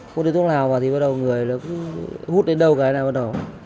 hút được thuốc lào vào thì người hút đến đầu cái này bắt đầu